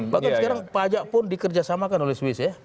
bahkan sekarang pajak pun dikerjasamakan oleh swiss ya